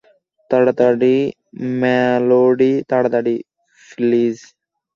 তাড়াতাড়ি, মেলোডি, তাড়াতাড়ি, প্লিজ।